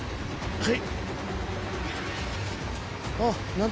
はい。